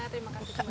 terima kasih juga